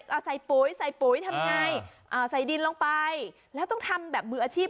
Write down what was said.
เอาใส่ปุ๋ยใส่ปุ๋ยทำไงอ่าใส่ดินลงไปแล้วต้องทำแบบมืออาชีพ